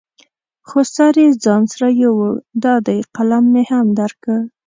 خو سر یې ځان سره یوړ، دا دی قلم مې هم درکړ.